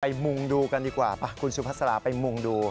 ไปมงดูกันดีกว่าไปคุณสุพสลาไปมงดู